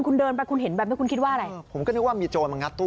คุณเดินไปคุณเห็นแบบนี้คุณคิดว่าอะไรเออผมก็นึกว่ามีโจรมางัดตู้